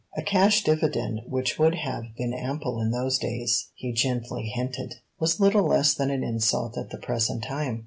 A cash dividend which would have been ample in those days, he gently hinted, was little less than an insult at the present time.